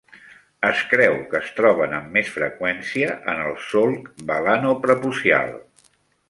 Es creu que es troben amb més freqüència en el solc balanoprepucial.